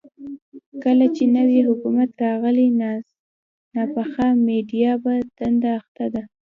کله چې نوی حکومت راغلی، ناپخته میډيا په دنده اخته ده.